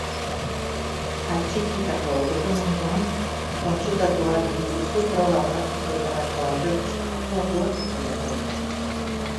Atxikitako dokumentuan kontsultatu ahal dituzu proba praktikoetarako aurreikusitako orduak eta lekuak.